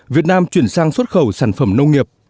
việt nam chuyển sang xuất khẩu sản phẩm nông nghiệp